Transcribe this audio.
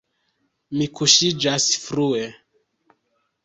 Mi kuŝiĝas frue.